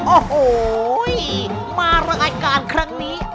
โอ้โหมารายการครั้งนี้